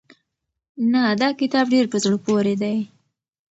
نه دا کتاب ډېر په زړه پورې دی.